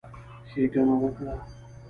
ښېګڼه وکړه،